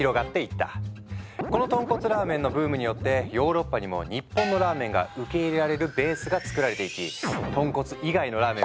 この豚骨ラーメンのブームによってヨーロッパにも日本のラーメンが受け入れられるベースが作られていき